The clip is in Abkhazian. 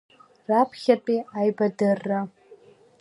Раԥхьатәи аибадырра.